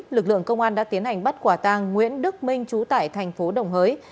lực lượng công an đã tiến hành bắt quả tang nguyễn đức minh trú tại thành phố đồng hới